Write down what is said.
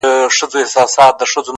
خدايه نری باران پرې وكړې;